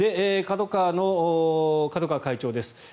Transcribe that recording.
ＫＡＤＯＫＡＷＡの角川会長です。